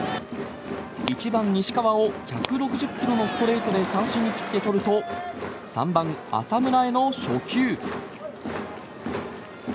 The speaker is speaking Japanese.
１番、西川を１６０ｋｍのストレートで三振に切って取ると３番、浅村への初球。